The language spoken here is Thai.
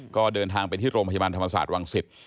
ก็เดินทางไปที่โรงพยาบาลธรรมศาสตร์วังศิษย์